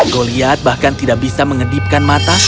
goliat bahkan tidak bisa mengedipkan mata